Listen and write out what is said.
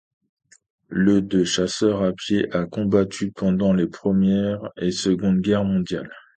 Le de chasseur à pied a combattu pendant les Première et Seconde Guerre mondiale.